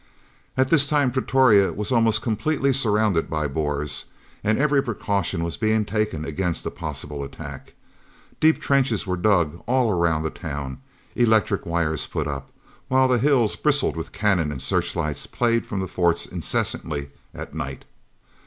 At this time Pretoria was almost completely surrounded by the Boers, and every precaution was being taken against a possible attack. Deep trenches were dug all round the town, electric wires put up, while the hills bristled with cannon and searchlights played from the forts incessantly at night.